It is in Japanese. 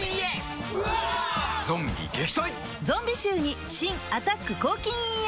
ゾンビ臭に新「アタック抗菌ＥＸ」